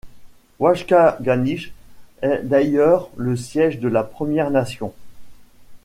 Waskaganish est d'ailleurs le siège de la Première Nation.